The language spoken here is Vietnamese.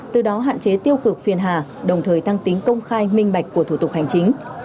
từ đó hạn chế tiêu cực phiền hà đồng thời tăng tính công khai minh bạch của thủ tục hành chính